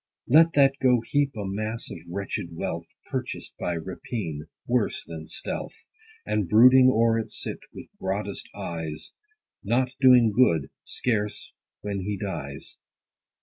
Let that go heap a mass of wretched wealth, Purchased by rapine, worse than stealth, And brooding o'er it sit, with broadest eyes, Not doing good, scarce when.he dies.